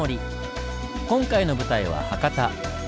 今回の舞台は博多。